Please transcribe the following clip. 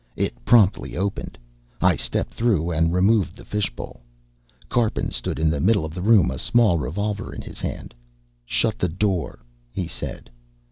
It promptly opened, I stepped through and removed the fishbowl. Karpin stood in the middle of the room, a small revolver in his hand. "Shut the door," he said.